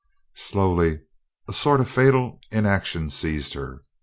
Slowly a sort of fatal inaction seized her.